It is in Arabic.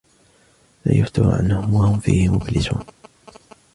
لا يفتر عنهم وهم فيه مبلسون